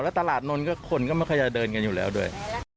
แล้วตลาดน้นคนก็ไม่ค่อยจะเดินกันอยู่แล้วด้วย